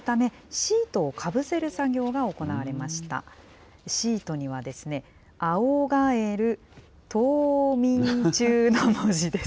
シートには青ガエル冬眠中の文字です。